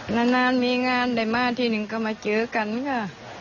นานมีงานได้มาที่หนึ่งก็มาเจอกันค่ะ